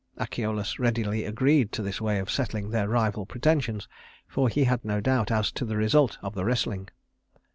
Achelous readily agreed to this way of settling their rival pretensions, for he had no doubt as to the result of the wrestling.